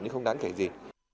nhưng không đáng kể gì